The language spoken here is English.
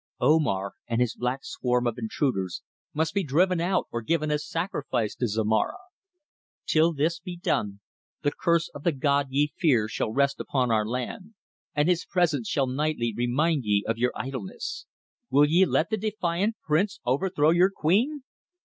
Omar and his black swarm of intruders must be driven out or given as sacrifice to Zomara. Till this be done the curse of the god ye fear shall rest upon our land, and his presence shall nightly remind ye of your idleness. Will ye let the defiant prince overthrow your queen?"